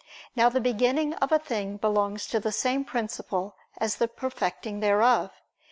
Now the beginning of a thing belongs to the same principle as the perfecting thereof.